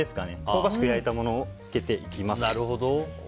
香ばしく焼いたものをつけていきます。